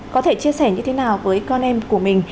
có thể chia sẻ như thế nào với con em của mình